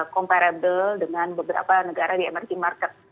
comparable dengan beberapa negara di emerging market